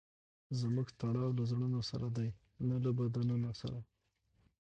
زموږ تړاو له زړونو سره دئ؛ نه له بدنونو سره.